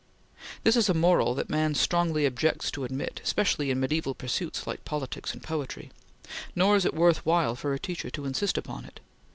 This is a moral that man strongly objects to admit, especially in mediaeval pursuits like politics and poetry, nor is it worth while for a teacher to insist upon it.